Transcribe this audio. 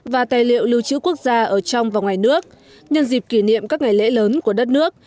và tài liệu lưu trữ quốc gia ở trong và ngoài nước nhân dịp kỷ niệm các ngày lễ lớn của đất nước